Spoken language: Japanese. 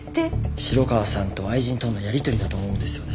城川さんと愛人とのやりとりだと思うんですよね。